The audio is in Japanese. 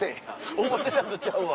思ってたんとちゃうわ。